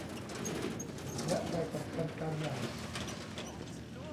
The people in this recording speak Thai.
และใบสำคัญการหย่า